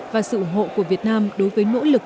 và sự ủng hộ của việt nam đối với nỗ lực